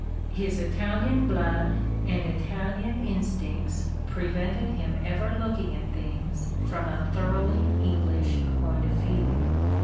His Italian blood and Italian instincts prevented him ever looking at things from a thoroughly English point of view.